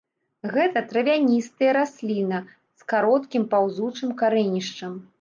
Гэта травяністыя расліна з кароткім паўзучым карэнішчам.